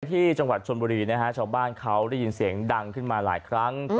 ที่จังหวัดชนบุรีนะฮะชาวบ้านเขาได้ยินเสียงดังขึ้นมาหลายครั้ง